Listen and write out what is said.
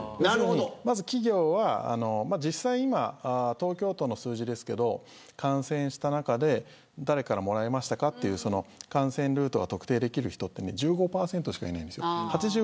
まず、企業は実際、今東京都の数字ですけど、感染した中で誰からもらいましたかっていう感染ルートが特定できる人ってね１５％しかいないんですよ。